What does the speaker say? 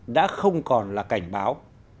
đã không còn là cảnh báo